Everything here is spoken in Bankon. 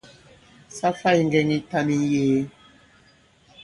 Sa fày ŋgɛŋ yitan yi ŋ̀yee.